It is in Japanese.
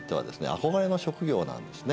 憧れの職業なんですね。